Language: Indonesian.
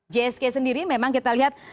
jsg sendiri memang kita lihat